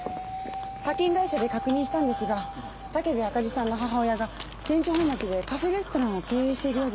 派遣会社で確認したんですが武部あかりさんの母親が千住本町でカフェレストランを経営しているようです。